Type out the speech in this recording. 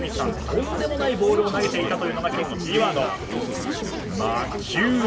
とんでもないボールを投げていたというのが今日のキーワード、マキュウ。